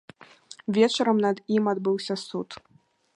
Вечарам над ім адбыўся суд.